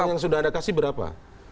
yang sudah anda kasih berapa